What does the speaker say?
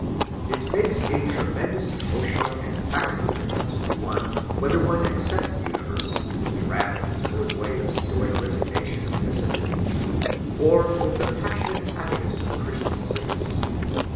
It makes a tremendous emotional and practical difference to one whether one accept the universe in the drab discolored way of stoic resignation to necessity, or with the passionate happiness of Christian saints.